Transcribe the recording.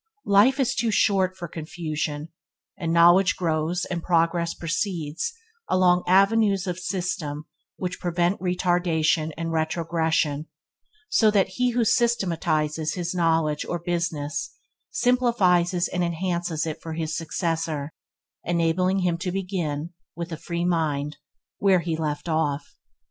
Life is too short for confusion; and knowledge grows and progress proceeds along avenues of system which prevent retardation and retrogression, so that he who systematizes his knowledge or business, simplifies and enhances it for his successor, enabling him to begin, with a free mind, where he left off.